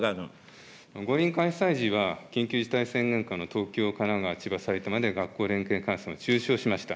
五輪開催時は、緊急事態宣言下の東京、神奈川、千葉、埼玉で学校連携感染を中止をしました。